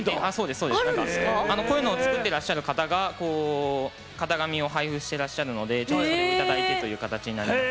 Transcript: こういうのを作っていらっしゃる方が型紙を配布してらっしゃるのでいただいてという形になります。